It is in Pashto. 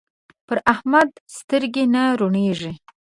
پر احمد سترګې نه روڼېږي.